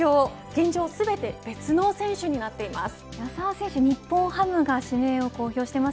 現状全て別の選手になっています。